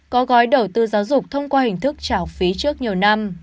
có gói đầu tư giáo dục thông qua hình thức trả phí trước nhiều năm